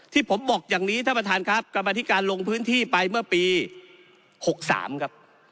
ที่ผมบอกอย่างนี้ท่านประธานครับกรรมธิการลงพื้นที่ไปเมื่อปี๖๓ครับ